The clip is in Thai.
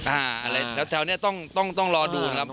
อ่าแถวเนี่ยต้องรอดูครับ